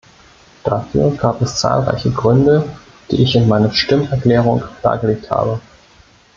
Dafür gab es zahlreiche Gründe, die ich in meiner Stimmerklärung dargelegt habe.